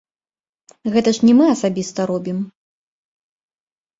Гэта ж не мы асабіста робім.